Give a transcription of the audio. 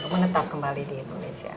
mengetap kembali di indonesia